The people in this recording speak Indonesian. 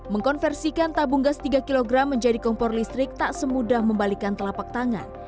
mengkonversikan tabung gas tiga kg menjadi kompor listrik tak semudah membalikan telapak tangan